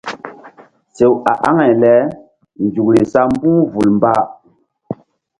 Sew a aŋay lenzukri sa mbu̧h vul mba.